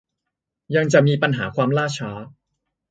ยังจะมีปัญหาความล่าช้า